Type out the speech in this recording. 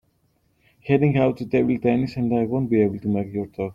Heading out to table tennis and I won’t be able to make your talk.